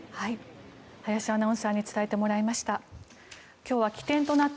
林アナウンサーに伝えてもらいました。